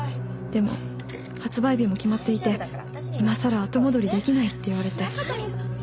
でも発売日も決まっていて今さら後戻りできないって言われて。